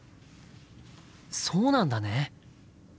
そうなんだね。